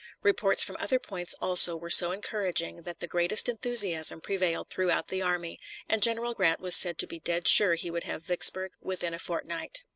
Reports from other points also were so encouraging that the greatest enthusiasm prevailed throughout the army, and General Grant was said to be dead sure he would have Vicksburg within a fortnight.